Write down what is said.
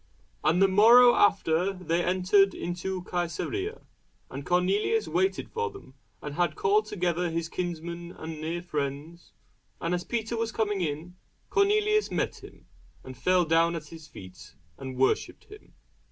And the morrow after they entered into Cæsarea. And Cornelius waited for them, and had called together his kinsmen and near friends. And as Peter was coming in, Cornelius met him, and fell down at his feet, and worshipped him.